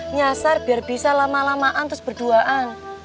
nyasar biar bisa lama lamaan terus berduaan